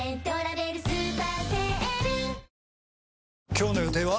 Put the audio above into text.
今日の予定は？